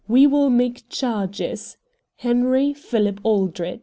We will make charges. Henry Philip Aldrich."